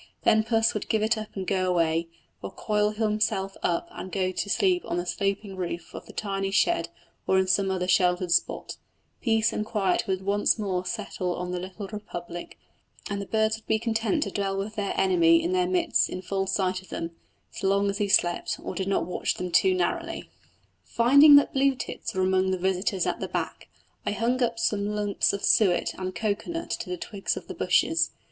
Then puss would give it up and go away, or coil himself up and go to sleep on the sloping roof of the tiny shed or in some other sheltered spot; peace and quiet would once more settle on the little republic, and the birds would be content to dwell with their enemy in their midst in full sight of them, so long as he slept or did not watch them too narrowly. Finding that blue tits were among the visitors at the back, I hung up some lumps of suet and a cocoa nut to the twigs of the bushes.